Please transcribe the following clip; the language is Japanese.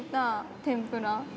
天ぷら